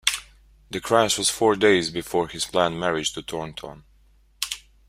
The crash was four days before his planned marriage to Thornton.